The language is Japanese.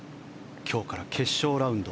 今日から決勝ラウンド。